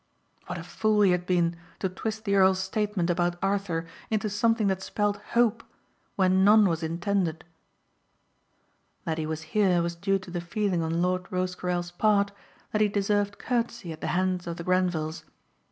What a fool he had been to twist the earl's statement about Arthur into something that spelled hope when none was intended. That he was here was due to the feeling on Lord Rosecarrel's part that he deserved courtesy at the hands of the Grenvils.